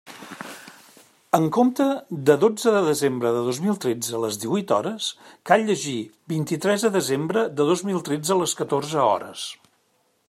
En compte de "dotze de desembre de dos mil tretze, a les díhuit hores", cal llegir: "vint-i-tres de desembre de dos mil tretze, a les catorze hores".